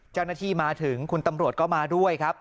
เจ้าหน้าที่มาถึงคุณตำรวจก็มาด้วยครับ